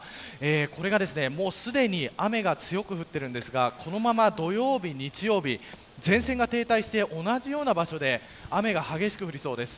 すでに雨が強く降っていますがこのまま土曜日、日曜日前線が停滞して同じような場所で雨が強く降りそうです。